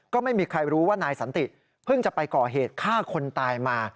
ก็ไม่มีใครรู้ว่านายสันติเพิ่งจะไปก่อเหตุฆ่าคนตายมา